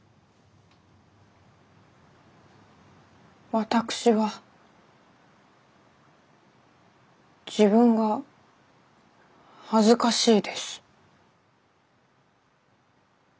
私は自分が恥ずかしいです。